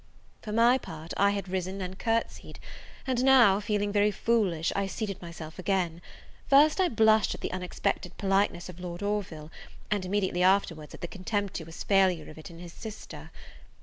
For my part, I had risen and courtsied, and now, feeling very foolish, I seated myself again: first I blushed at the unexpected politeness of Lord Orville, and immediately afterwards at the contemptuous failure of it in his sister.